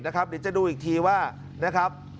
เดี๋ยวจะดูอีกทีว่านะครับ